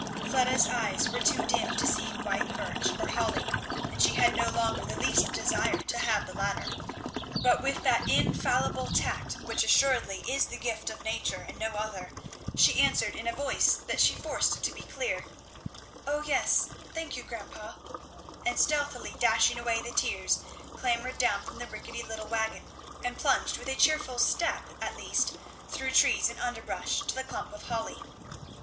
Fleda's eyes were too dim to see white birch or holly, and she had no longer the least desire to have the latter; but with that infallible tact which assuredly is the gift of nature and no other, she answered, in a voice that she forced to be clear, "O yes, thank you, grandpa;" and stealthily dashing away the tears clambered down from the rickety little wagon and plunged with a cheerful step at least through trees and underbrush to the clump of holly.